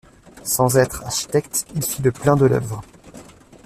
Sans être architecte, il fit le plan de l'œuvre.